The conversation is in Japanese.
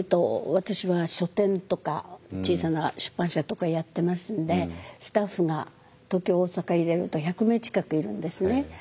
私は書店とか小さな出版社とかやってますんでスタッフが東京大阪入れると１００名近くいるんですね。